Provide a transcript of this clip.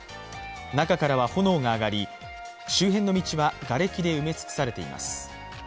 中からは炎が上がり周辺の道は、がれきで埋め尽くされています。